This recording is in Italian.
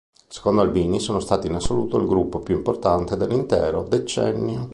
Secondo Albini, sono stati in assoluto il gruppo più importante dell'intero decennio.